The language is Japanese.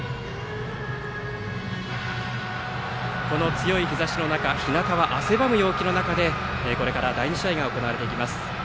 強い日ざしの中、ひなたは汗ばむ陽気の中でこれから第２試合が行われていきます。